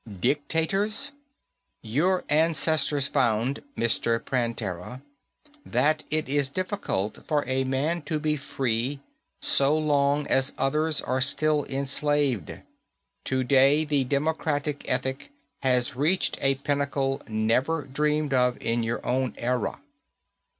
Dictators? Your ancestors found, Mr. Prantera, that it is difficult for a man to be free so long as others are still enslaved. Today the democratic ethic has reached a pinnacle never dreamed of in your own era."